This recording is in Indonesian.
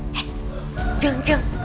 hei jeng jeng